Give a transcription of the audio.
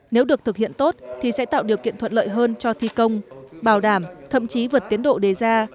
nếu được thực hiện tốt thì sẽ tạo điều kiện thuận lợi hơn cho thi công bảo đảm thậm chí vượt tiến độ đề ra